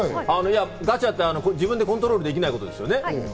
ガチャって自分でコントロールできないことですよね。